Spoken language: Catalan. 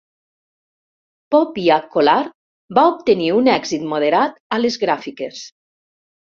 "Pop Ya Collar" va obtenir un èxit moderat a les gràfiques.